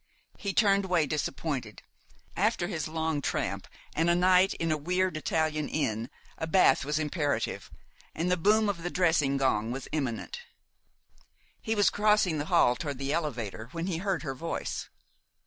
He turned way, disappointed. After his long tramp and a night in a weird Italian inn, a bath was imperative, and the boom of the dressing gong was imminent. He was crossing the hall toward the elevator when he heard her voice.